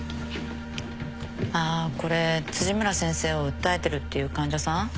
ああこれ辻村先生を訴えてるっていう患者さん？